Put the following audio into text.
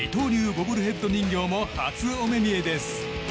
ボブルヘッド人形も初お目見えです。